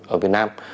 ở việt nam